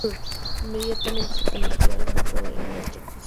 Inmediatamente convirtió al grupo en otra cosa.